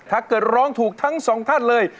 ถ้าเกิดร้องถูกทั้งสองท่านเลย